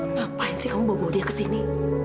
ngapain sih kamu bawa dia kesini